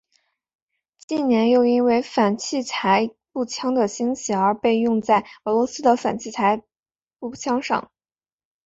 近年又因为反器材步枪的兴起而被用在俄罗斯的反器材步枪上。